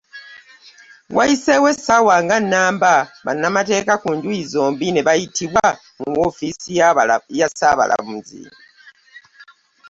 Wayiseewo essaawa nga nnamba bannamateeka ku njuuyi zombi ne bayitibwa mu woofiisi ya Ssaabalamuzi.